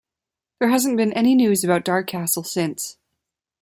There hasn't been any news about Dark Castle since.